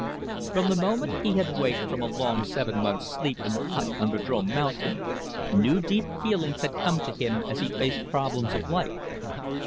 From the moment he had waked from a long seven months' sleep in the hut on Vadrome Mountain, new deep feelings had come to him as he faced problems of life.